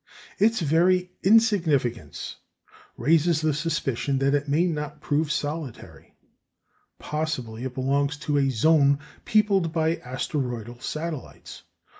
Its very insignificance raises the suspicion that it may not prove solitary. Possibly it belongs to a zone peopled by asteroidal satellites.